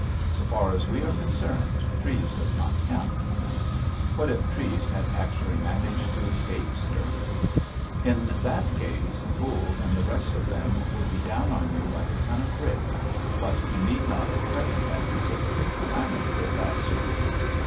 So far as we are concerned, Treves does not count." "What if Treves had actually managed to escape, sir?" "In that case 'Voules' and the rest of them would be down on you like a ton of bricks, but we need not at present anticipate a calamity of that sort.